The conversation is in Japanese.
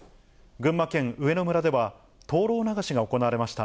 群馬県上野村では、灯籠流しが行われました。